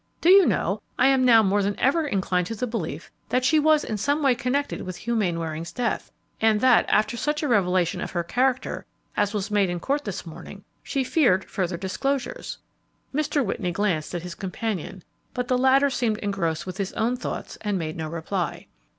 Do you know, I am now more than ever inclined to the belief that she was in some way connected with Hugh Mainwaring's death, and that, after such a revelation of her character as was made in court this morning, she feared further disclosures." Mr. Whitney glanced at his companion, but the latter seemed engrossed with his own thoughts and made no reply.